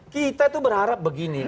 kita itu berharap begini